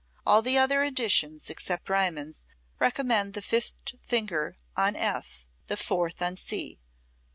All the other editions, except Riemann's, recommend the fifth finger on F, the fourth on C.